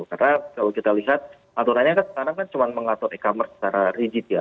karena kalau kita lihat aturannya kan sekarang kan cuma mengatur e commerce secara rigid ya